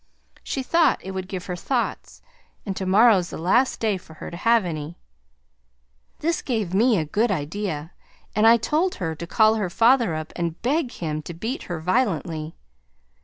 She thought it would give her thoughts, and tomorrow's the last day for her to have any. This gave me a good idea and I told her to call her father up and beg him to beat her violently.